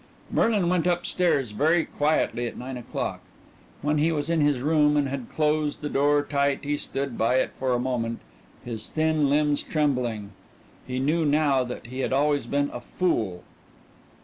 Merlin went up stairs very quietly at nine o'clock. When he was in his room and had closed the door tight he stood by it for a moment, his thin limbs trembling. He knew now that he had always been a fool.